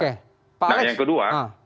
nah yang kedua